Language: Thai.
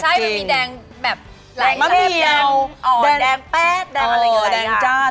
ใช่มันมีแดงแบบแดงเต้าแดงแป๊ดแดงอะไรเงี้ย